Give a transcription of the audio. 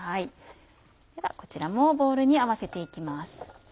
こちらもボウルに合わせて行きます。